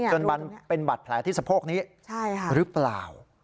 จนมันเป็นบัตรแผลที่สะโพกนี้ใช่ครับหรือเปล่า